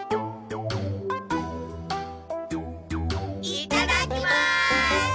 いただきます！